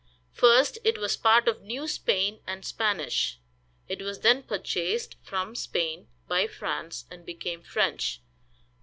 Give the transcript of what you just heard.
First, it was part of New Spain, and Spanish. It was then purchased from Spain by France, and became French.